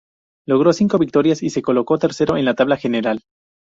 Logró cinco victorias y se colocó tercero en la tabla general.